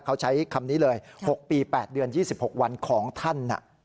เขาใช้คำนี้เลย๖ปี๘เดือน๒๖วันของท่าน